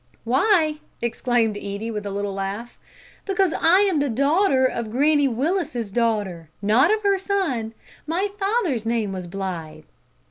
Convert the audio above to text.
"Why?" exclaimed Edie, with a little laugh, "because I am the daughter of Granny Willis's daughter not of her son. My father's name was Blythe!"